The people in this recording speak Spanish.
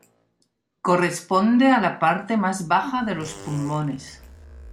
Corresponde a la parte más baja de los pulmones.